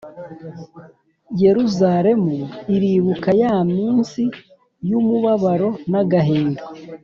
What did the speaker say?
Yeruzalemu iribuka ya minsi y’umubabaro n’agahinda,